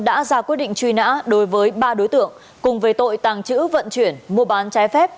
đã ra quyết định truy nã đối với ba đối tượng cùng về tội tàng trữ vận chuyển mua bán trái phép